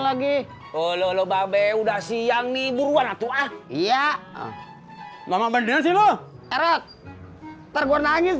lagi olo babay udah siang nih buruan atuh iya mama bener bener nangis nih